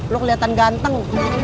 lo kelihatan ganteng